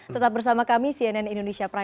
tetap bersama kami cnn indonesia prime